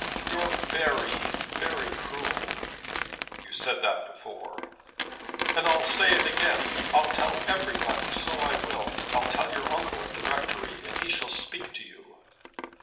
"You're very, very cruel." "You said that before." "And I'll say it again. I'll tell everybody; so I will. I'll tell your uncle at the rectory, and he shall speak to you."